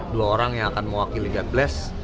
dua orang yang akan mewakili god bless